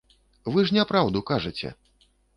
Вы ж няпраўду кажаце!